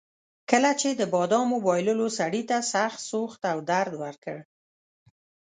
کله چې د بادامو بایللو سړي ته سخت سوخت او درد ورکړ.